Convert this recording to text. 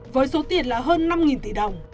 với số tiền là hơn năm tỷ đồng